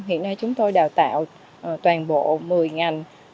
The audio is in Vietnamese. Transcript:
hiện nay chúng tôi đào tạo toàn bộ một mươi ngành